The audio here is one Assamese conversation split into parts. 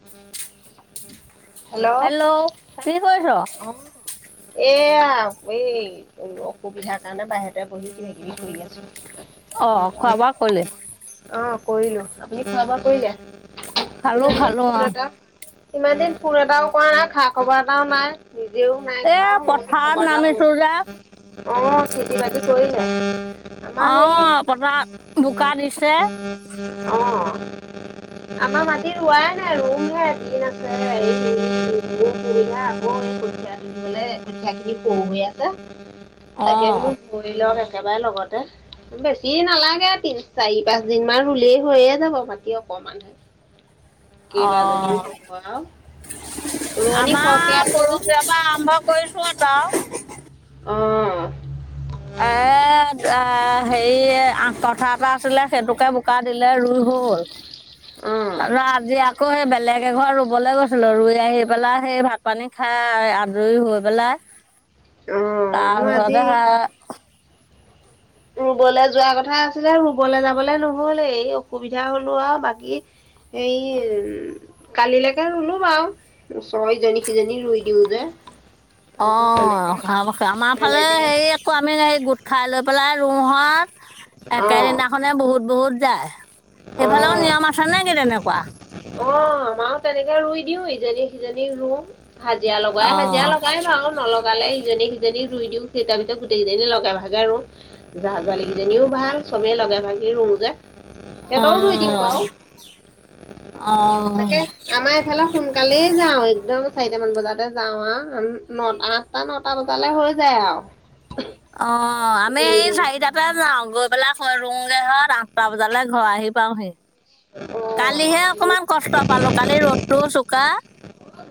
[inaudible] হেল্ল' কি কৰিছ? অ', এয়া এই অসুবিধাৰ কাৰণে বাহিৰতে বহি কিবা কিবি কৰি আছোঁ। অ', খোৱা বোৱা কৰিলে? অ', কৰিলো আপুনি খোৱা বোৱা কৰিলে? খালো ইমান খালো দিন ফোন অ'। এটা ইমান দিন ফোন এটাও কৰা নাই খা খবৰ এটাও নাই নিজেও নাই এ কৰা আও মই বোলো পথাৰত খবৰ এটা লও নামিছো যে। চোন। অ', খেতি বাতি কৰিলে? আমাৰ সেই অ' পথাৰত বোকা দিছে। অ', আমাৰ মাটি ৰুৱাই [inaudible] থাকি [unintelligible] আছে, তাকে অ' বোলো কৰি লওক একেবাৰে লগতে বেছি নালাগে তিন চাৰি পাঁচ দিন মান ৰুলে হৈয়ে যাব বাকি অকমান হে অ', আৰু আমাৰ পৰহীয়ৰ ৰোৱনী সৰহকে পৰা আহিব যে আৰম্ভ কৰি [inaudible] অ', এ আ, হেৰি আঠ কথা এটা আছিলে সেইটোকে বোকা দিলে ৰুই হল। অঁ আৰু আজি আকৌ সে বেলেগ একে ঘৰ ৰুবলৈ গৈছিলোঁ ৰুই আহি পেলাই সেই ভাত পানী খাই আজৰি হৈ পেলাই। অ', মই আজি বা ৰুবলৈ যোৱা কথা আছিলে ৰুবলৈ যাবলে নহ'ল এই অসুবিধা হলো আৰু বাকী এই কালিলৈকে ৰুলো বাৰু ছয়জনী সিজনী ৰুই দিও গে অ', ভাল কথা আমাৰ ফালে তেনেকে হেৰি আকৌ আমি হেৰি গোট খাই লৈ পেলাই ৰু [unintelligible] অঁ একেদিনাখনে বহুত বহুত যায়, সেইফালেও অঁ নিয়ম আছে নে কি তেনেকুৱা? অ', আমাৰো তেনেকে ৰুই দিও ইজনী সিজনী ৰুম হাজিৰা লগাই, হাজিৰা অ' লগাই বাৰু নলগ লগালে ইজনি সিজনী ৰুই দিওঁ, সেই তাৰ পিছত গোটেইকেইজনি লগে ভাগে ৰু। জা জালি কেইজনীও ভাল চবেই লগে ভাগে ৰু যে সিহঁতৰো ৰুই দিওঁদিওঁ অ' বাও অ' তাকে আমাৰ এইফালে সোনকালেই যাওঁ, একদম চাৰিটামান বজাতে যাওঁ আও নটাত ছটা নটা বজালৈ হৈ যায় আৰু। অ', আমি সেই চাৰিটাত তে যাওঁ, গৈ পেলাই হৈ ৰুংগে আৰু আঠটা বজালৈ ঘৰ আহি পাওহি। কালিহে অ', অকমান কষ্ট পালো কালি ৰ'দটো চোকা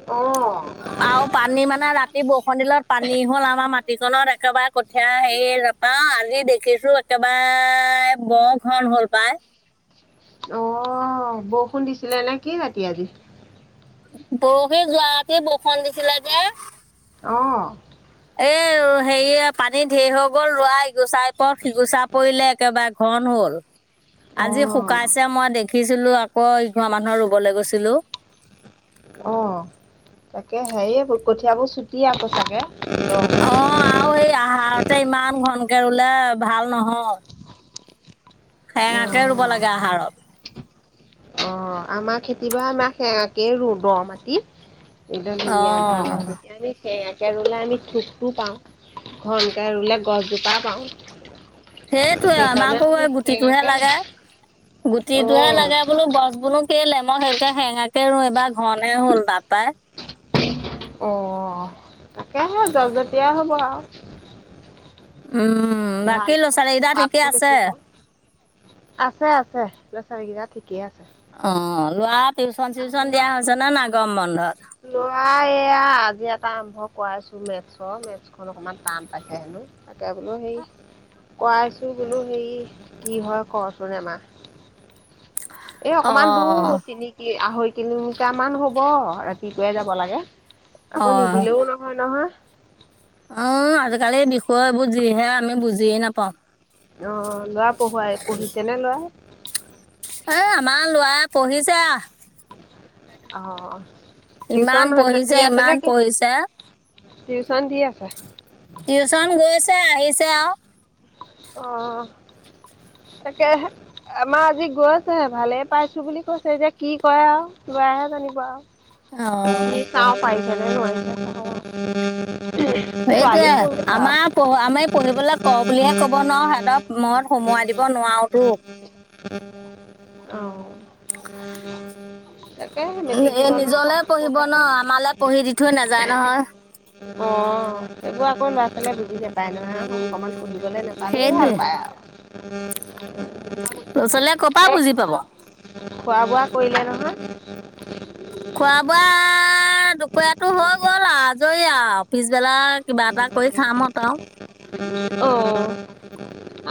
অ', আৰু পানী মানে ৰাতি বৰষুণ দিলে পানী হ'ল আমাৰ মাট তি খনত একেবাৰে কঠীয়া হেৰি নাপাও আজি দেখিছোঁ একেবাৰে ব ঘন হ'ল পায়। অ', বৰষুণ দিছিলে নেকি ৰাতি আজি? বৰশী যোৱাতে বৰষুণ দিছিলে যে। অ'। এই হেৰি পানী ঢেৰ হৈ গ'ল, ৰোৱা গুচাইপৰত সিগুচা পৰিলে একেবাৰে ঘন হ'ল, আজি অ', শুকাইছে মই দেখ খিকিছিলোঁ, আকৌ ইঘৰ মানুহৰ ৰুবলৈ গৈছিলোঁ। অ', তাকে হেৰি কঠিয়াবোৰ চুটি আকৌ চাগে। অ', মাটি। আৰু সেই আহাৰতে ইমান ঘনকে ৰুলে ভাল নহয়। সেৰেঙাকে ৰুব অ'। লাগে আহাৰত অ', আমাৰ খেতি বা আমাৰ [unintelligible] ৰুৱ মাটিত। একদম অ ধুনীয়া ধান হয়, [unintelligible] সেয়াকে ৰুলে, আমি থুকটো পাওঁ, ঘনকে ৰুলে গছজোপা পাওঁ। সেইটয়ে সেইকাৰণে আমাকো আমি গুটিটোহে সেয়াকে লাগে [inaudible] গুটিটোৱে অ', লাগে বোলো গছ বোলো কেলে, মই সেয়ে হেঙাকে ৰুই, এইবাৰ ঘনে হ'ল বাপাই। অ', তাকেহে জলজলিয়া হ'ব আৰু। উম, বাকী ধানটো ল'ৰা ছোৱালী কেইটা ঠিকে পাতটো আছে? বেছি হ'ব। আছে আছে, ল'ৰা ছোৱালী কেইটা ঠিকে আছে। অ', লৰা টিউচন চিউচন দিয়া আপোনাৰ হৈছে নে গৰম বন্ধত? লৰা এয়া আজি এটা আৰম্ভ কৰাইছো মেথছৰ মেথ মেথখন অকণমান টান পাইছে হেনো, তাকে বোলো সেই কৰাইছো বোলো, হেৰি কি হয় কৰচোন, এমাহ। এ অকমান দূৰ, অ', তিনি আঢ়ৈ কিলোমিটাৰ মান হ'ব। [unintelligible] যাব লাগে, আকৌ অ', নিদিলেও নহয় নহয়। অ', আজিকালি বিষয়বোৰ যিহে আমি বুজিয়ে নাপাওঁ। অ', যোৱা পঢ়োৱাই, পঢ়িছে নে, ল'ৰা? এ, আমাৰ লৰা পঢ়িছে। অ ইমান টিউচন হৈছে পঢ়িছে, ইমান পঢ়িছে। টিউশন দি, আছা? টিউচন গৈছে, আহিছে আৰু। অ', তাকে। আমাৰ আজি গৈছে হে, ভালে পাইছো বুলি কৈছে, এতিয়া কিবা কৰে আৰু লৰা হে জানিব আৰু। [inaudible] অ'। [inaudible] সেইটোৱে পঢ়িবা আমাৰ পঢ় আমি পঢ়িবলৈ কওঁ, বুলিহে ক'ব নোৱাৰো সেহতঁক মই সোমোৱাই দিব নোৱাৰোতো। [inaudible] অ'। তাকে মেট্ৰিক দিব এই নহয় অকণমান নিজলে পঢ়িব পঢ়োৱাব ন, লাগিব আমাৰলৈ পঢ়ি দি থৈ নাযায়, নহয়। অ', এইবোৰ আকৌ ল'ৰা, ছোৱালীয়ে বুজি নাপায়, নহয়। অকমান সুধিবলে নেপালেই সেইটোৱে ভাল পায় আৰু। লৰা ছোৱালীয়ে কৰ পৰা এ বুজি পাব। খোৱা, বোৱা কৰিলে নহয়। খোৱা বোৱা, দুপৰীয়াতটো হৈ গ'ল আৰু, আজৰি আৰু পিছবেলাৰ অ'।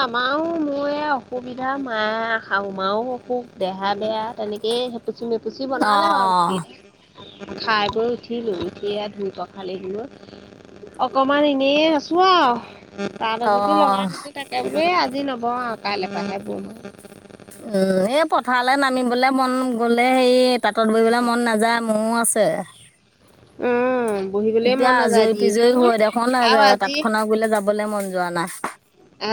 আমাৰও মো এয়া অসুবিধা, মায় শাহো মাও, অসুখ দেহা বেয়া তেনেক এহে পুছি ম, পুছি বনালে হয় অঁ ভাতকেটা খাই গৈ উঠিলো, উঠি আ ধুই পখালি দিলো অকমান এনে আছো আউ তাত এযুটি লগাই অঁ থৈছো তাক তাকে বোলো আজি নবও আও কাইলে পাহে বম উম, এই পথাৰলে নামিবলে মন গলে হেৰি তাঁতত বহিবলে মন নাযায়। মৌ, আছে। উম। বহিবলে এতিয়া মন নাযায় আজৰি পিজৰি দিনটো হয়, দেখোন আৰু আজি তাতখনৰ গুৰিলে যাবলে মন যোৱা নাই।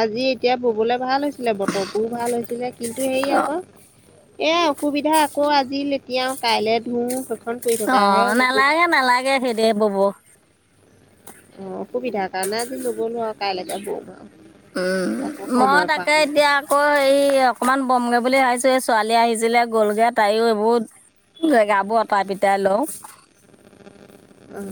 আজি এতিয়া ববলে ভাল হৈছিলে, বতৰটোও ভাল হৈছিলে, কিন্তু হেৰি আক এ, অসুবিধা আকৌ, আজি লেতিয়াও কাইলে ধুও, সেখন অ, নালাগে, নালাগে সেদে বব অ, অসুবিধাৰ কাৰণে আজি বব নোৱাৰো, কাইলে বৌম আউ উম, মই তাকে এতিয়া আকৌ এই অকমান বমগে বুলি ভাবিছো, এই ছোৱালী আহিছিলে গ'লগে তাইও এইবোত জেগাবোৰ আতাই, পিটাই লওঁ। উম।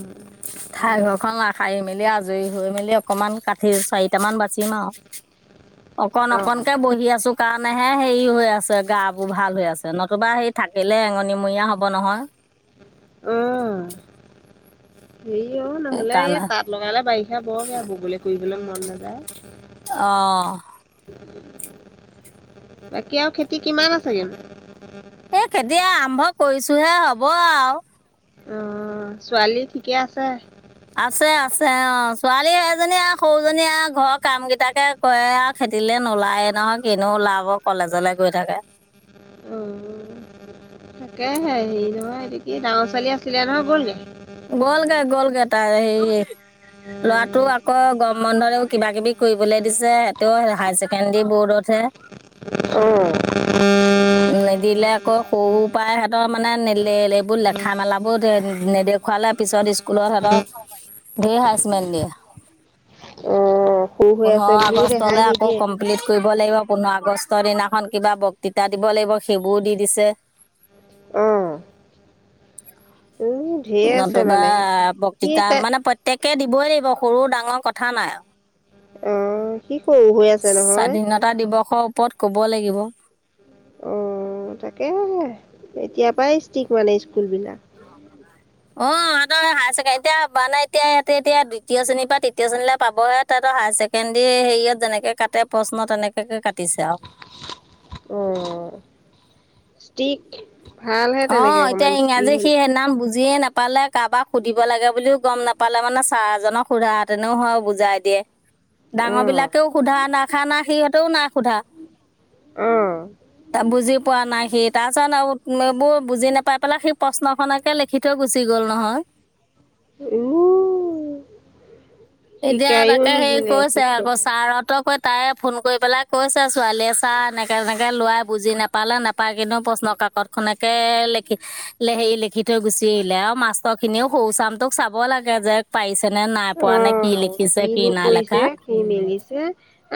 ঠাই ঘৰখন সাৰি মেলি আজৰি হৈ, মেলি, অকমান কাঠি চাৰিটামান বাচিম আউ। [unintelligible] অকন, অ'। অকনকে বহি আছো। কাৰণেহে হেৰি হৈ আছে, গাবোৰ ভাল হৈ আছে, নতুবা সেই থাকিলে এঙনিমূৰীয়া হ'ব, নহয়। উম, হেৰি অ, নহ'লে এই সেইকাৰণে তাত লগালে বাৰিষা বৰ বেয়া, ববলে কৰিবলে মন নাযায়। অ'। বাকী আৰু খেতি কিমান আছেগে নো। এই, খেতি আৰম্ভ কৰিছোহে হ'ব, আউ। অ ছোৱালী ঠিকে আছে আছে আছে অ ছোৱালী এজনী আৰু সৰুজনী আৰু ঘৰৰ কাম গেটাকে কৰে আ খেতিলে নোলায়ে নহয় কিনো ওলাব কলেজলে গৈ থাকে উম তাকেহে হেৰি নহয় এইটো কি ডাঙৰ ছোৱালী আছিলে নহয় গ'ল নি গ'লগে গ'লগে তাৰ হেই ল'ৰাটো আকৌ গৰম বন্ধৰে কিবা কিবি কৰিবলৈ দিছে হেতেঁও হায়াৰ ছেকেণ্ডাৰী বৰ্ডত হে অ', নিদিলে আকৌ সৰু পাই হেতক মানে নেলে লে এইবোৰ লেখা মেলাবোৰ নেদেখুৱালে পিছত স্কুলত হেতক ঢেই হাইছমেন দিয়ে অ', সৰু হৈ আছে পোন্ধৰ বুলিও দেখাই আগষ্টলে আকৌ নিদিয়ে কম প্লিট কৰিব লাগিব পোন্ধৰ আগষ্টৰ দিনাখন কিবা বক্তৃতা দিব লাগিব সেইবোৰ দি দিছে উম উম ঢেৰ আছে নতুবা মানে সি বক্তৃতা তাই মানে প্ৰত্যেকে দিবই লাগিব, সৰু, ডাঙৰ কথা নাই আঅ অ, সি সৰু হৈ, আছে নহয়। টা দিৱসৰ ওপৰত ক'ব লাগিব। উম তাকে এতিয়া পাই ষ্ট্ৰিক মানে স্কুল বিলাক অহ ইহঁত এই হায়াৰ ছেকেণ্ড এতিয়া মানে এতিয়া ইহঁতে এতিয়া দ্বিতীয় শ্ৰেণীৰ পা তৃতীয় শ্ৰেণীলৈ পাবহে তাহাতঁৰ হায়াৰ ছেকেণ্ডৰী হেৰিয়ত যেনেকে কাটে প্ৰশ্ন, তেনেকে কাটিছে আৰু। ওম। ষ্টিক, ভাল হে তেনেকে অকমান ষ্টিক হ'লে। নাম বুজিয়ে নাপা পালে, কাবাক সুধিব লাগে বুলিও গম নাপালে, মানে ছাৰজনক সোধাহেঁতেনও হয়, বুজাই দিয়ে। [inaudible] ডাঙৰ বিলাকেও সোধা দেখা নাই, সিহঁতেও না ই সোধা, অ', বুজি পোৱা নাই সি, তাৰপিছত আৰু বোৰ বুজি নাপাই পেলাই সি প্ৰশ্নখনকে লিখি থৈ গুচি গ'ল নহয়। ঔ! এতিয়া তাকে হেৰি নিদিলে কৈছে, আকৌ শিক্ষকে ছাৰহতঁক কৈ তাই ফোন কৰি পেলাই কৈছে ছোৱালীয়ে, ছাৰ এনেকে-এনেকে ল'ৰাই বুজি নাপালে, নাপায় কিনে প্ৰশ্ন কাকত খনকে লিখি হেৰি লিখি থৈ গুচি আহিলে আৰু মাষ্টৰ খিনিও সৰু ছামটোক চাব লাগে যে পাইছে নে নাই পৰা, নে কি লিখিছে, কি নাই লেখা? সি মিলিছে,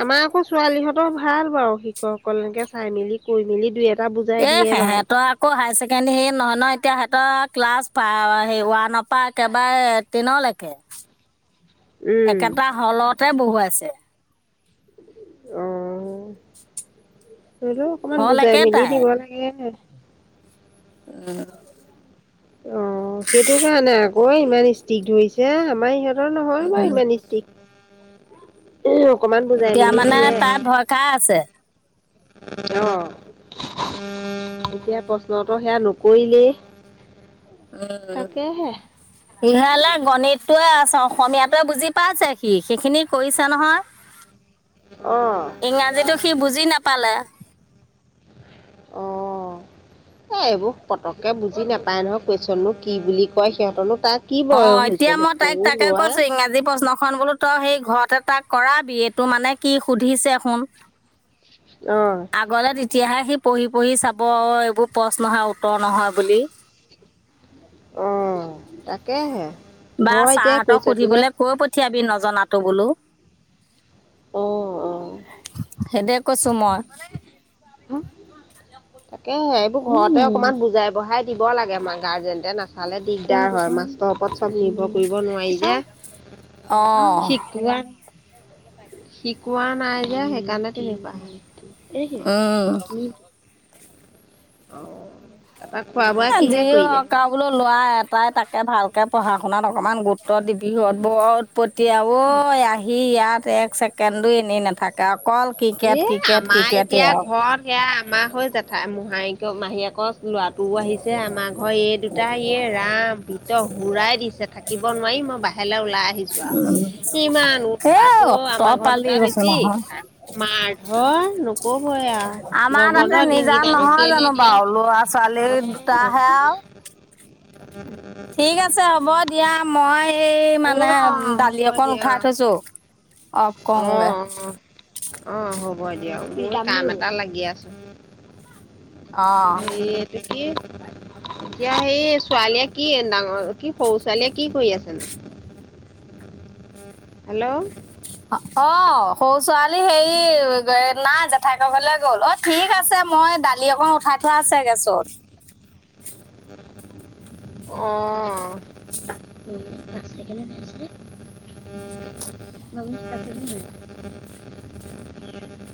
আমাৰ আকৌ ছোৱালীহঁত তৰ ভাল বাৰু, শিক্ষকসকল একে চাই মেলি কৈ মেলি দুই-এটা এ বুজাই দিয়ে বাৰু। সেহেঁতৰ আকৌ হায়াৰ ছেকেণ্ডেৰী নহয় ন, এতিয়া সিহতৰ ক্লাছ হেৰি ওৱানৰ পৰা একেবাৰে তেনলৈকে। [inaudible] একেটা হলতে বহুৱাইছে। অ, হ'লেও অকমান হল বুজাই মেলি একেটাই দিব লাগে। [inaudible] অ, সেইটো কাৰণে আকৌ, ইমান ষ্ট্ৰিক ধৰিছে, আমাৰ ইহঁতৰ নহয় বাৰু ইমান ষ্ট্ৰিক। উম, অকমান বুজাই মেলি দিয়ে। কাৰ আছে? অহ। এতিয়া প্ৰশ্নটো সেয়া নকৰিলেই। তাকেহে [unintelligible] সিহলে গণিতটোৱে আছ অসমীয়াটোৱে বুজি পাইছে সি, সেইখিনি কৰিছে নহয়। [inaudible] অ', ইংৰাজীতো সি বুজি নাপালে। [inaudible] এ, এইবোৰ পতককে বুজি নাপাই নহয়, কুৱেশনো কি বুলি কয়, সিহঁতৰ নো তাক অ, এতিয়া মই তাইক তাকে কৈছো ইংৰাজী প্ৰশ্ন খন বোলো তই সেই ঘৰতে তাক কৰাবি, এইটো মানে কি সুধিছে শুন অঁ। আগলৈ তেতিয়াহে সি পঢ়ি-পঢ়ি চাব, অ এইবোৰ প্ৰশ্নহে উত্তৰ নহয় বুলি। অঁ, তাকেহে। বা ঘৰ এতিয়া চাৰহতক কুৱেশ্যনবিলাক সুধিবলৈ কৈ পঠিয়াবি নজনাতো বোলো। অঁ অঁ সেইদ কৈছোঁ মই। আহ। তাকেহে, এইবোৰ ঘৰতে অকমান বুজাই-বঢ়াই দিব লাগে, মা গাৰ্জেনতে নাচালে দিগদাৰ হয়, মাছ তৰ ওপৰত চব নিৰ্ভৰ কৰিব নোৱাৰি যে, অঁ শিক শিকোৱা নাই যে সেইকাৰণে তেনেকুৱাে। উম। অ'। তাৰপা খোৱা যি হয় হওঁক আৰু বোলো ল'ৰা এটাই তাকে ভালকে পঢ়া শুনাত অকণমান গুৰুত্ব ত' দিবি হত, বৰ উৎপটিয়া অ', আহি ইয়াত এক কেন্দু এনেই নাথাকে অকল ক্ৰিকেট এ, ক্ৰিকেট আমাৰ ক্ৰিকেটেই এতিয়া আৰু ঘৰত সেয়া আমাৰ হৈ যা [unintelligible] মোহা মাহীয়েকৰ ল'ৰাটোও আহিছে, আমাৰ ঘৰ এই দুটাই ইয়ে ৰাম ভিতৰ উৰাই দিছে, থাকিব নোৱাৰি মই বাহিৰলে ওলাই আহিছোঁ। ইমান এ উৎপাত অ', অত আমাৰ ঘৰত পালি দুটা কৈছো বেছি। নহয় মাৰ ধৰ নক'বই আৰু আমাৰ তাতে গমবন্ধৰ নিজা দিনকেইটানো নহয় জানো কেইলেই বাৰু ল'ৰা দিয়ে ছোৱালী অ দুটা হে আও। [inaudible] ঠিক আছে হ'ব দিয়া। মই এই মানে অ হ'ব দালি অকণ উঠাই দিয়ক থৈছোঁ। অফ অ কৰোগে। অ', হ'ব দিয়ক [unintelligible] মইও কাম এটা লাগি আছোঁ। অ [unintelligible] এই এইটো কি এতিয়া সেই ছোৱালীয়ে কি ডাঙৰ কি সৰু ছোৱালীয়ে কি কৰি আছেনো? হেল্ল'! অ', সৰু ছোৱালী হেৰি নাই, জেঠাইকৰ ঘৰলে গ'ল। ঠিক আছে, মই দালি অকণ উঠাই থোৱা আছে গেছত। উম। [inaudible] [inaudible]